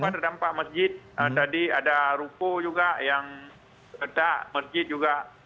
ada beberapa terdampak masjid tadi ada rupo juga yang ada masjid juga